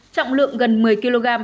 trọng lượng gần một mươi kg